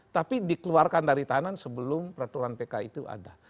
tapi dikeluarkan dari tahanan sebelum peraturan pk itu ada